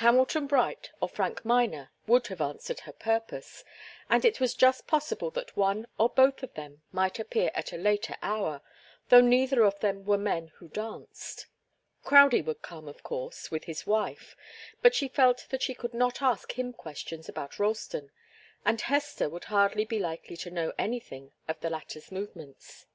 Hamilton Bright or Frank Miner would have answered her purpose, and it was just possible that one or both of them might appear at a later hour, though neither of them were men who danced. Crowdie would come, of course, with his wife, but she felt that she could not ask him questions about Ralston, and Hester would hardly be likely to know anything of the latter's movements.